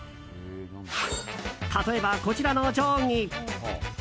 例えば、こちらの定規。